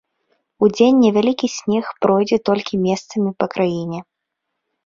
Удзень невялікі снег пройдзе толькі месцамі па краіне.